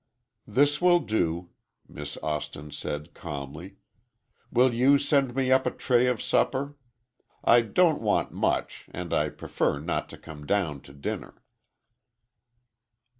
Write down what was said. "This will do," Miss Austin said, calmly. "Will you send me up a tray of supper? I don't want much, and I prefer not to come down to dinner."